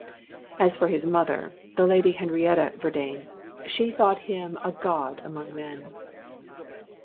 As for his mother the Lady Henrietta Verdayne she thought him a god among men!